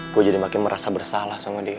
gue jadi makin merasa bersalah sama dia